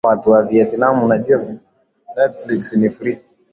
na Asia hasa kupitia Bahari ya Kati Ilikuwa rahisi kwa mitume wa Kristo